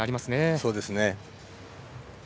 そうですね。